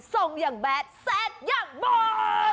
ส่งอย่างแบดแซ่ดอยากบอก